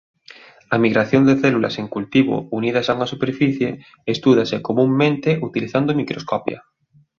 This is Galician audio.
A migración de células en cultivo unidas a unha superficie estúdase comunmente utilizando microscopia.